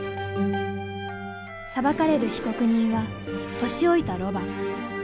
裁かれる被告人は年老いたロバ。